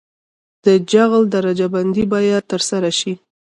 د جغل درجه بندي باید ترسره شي